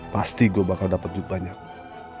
pasti gue bakal dapat lebih banyak